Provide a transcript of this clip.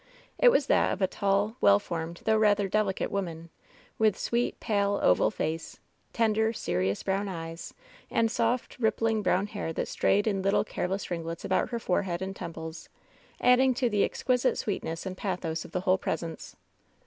It was that of a tall, well formed though rather deli cate woman, with sweet, pale, oval face, tender, serious brown eyes, and soft, rippling brown hair that strayed in little, careless ringlets about her forehead and tem ples, adding to the exquisite sweetness and pathos of the whole presence.